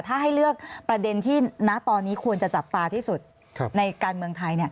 ถ้าให้เลือกประเด็นที่ณตอนนี้ควรจะจับตาที่สุดในการเมืองไทย